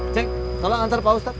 cek tolong antar pak ustadz